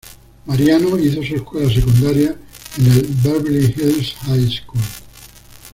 Mariano hizo su escuela secundaria en el Beverly Hills High School.